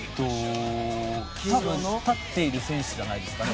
立っている選手じゃないですかね。